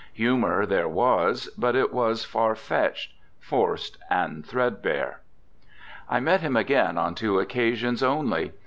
Humour there was, but it was far fetched, forced, and threadbare. I met him again on two occasions only.